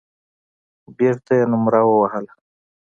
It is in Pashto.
بېرته يې نومره ووهله.